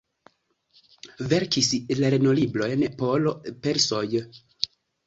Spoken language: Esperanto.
Verkis lernolibrojn por persoj.